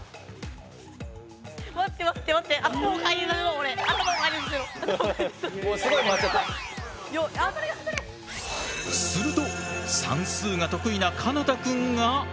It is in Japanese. これはすると算数が得意な奏多くんが！？